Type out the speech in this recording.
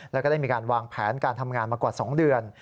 แล้วก็ได้มีการวางแผนการทำงานมากว่า๒เดือน